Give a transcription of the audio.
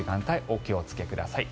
お気をつけください。